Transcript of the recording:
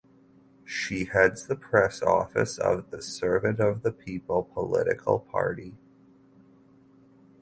She heads the press office of the Servant of the People political party.